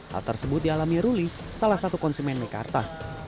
hal tersebut dialami ruli salah satu konsumen mekarta